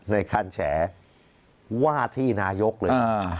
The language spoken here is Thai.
ในการแฉว่าที่นายกเลย